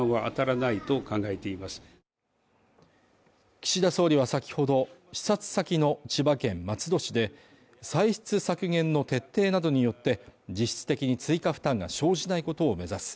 岸田総理は先ほど、視察先の千葉県松戸市で歳出削減の徹底などによって、実質的に追加負担が生じないことを目指す。